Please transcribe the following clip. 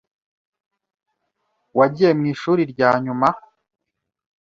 Wagiye mwishuri ryanyuma?